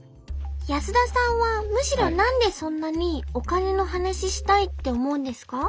安田さんはむしろ何でそんなにお金の話したいって思うんですか？